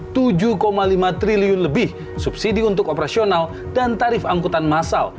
rp tujuh lima triliun lebih subsidi untuk operasional dan tarif angkutan masal